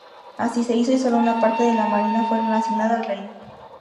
Así se hizo, y sólo una parte de la Marina fueron asignada al reino.